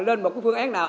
lên một cái phương án nào